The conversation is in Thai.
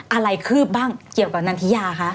คืบบ้างเกี่ยวกับนันทิยาคะ